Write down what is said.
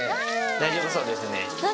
大丈夫そうですね。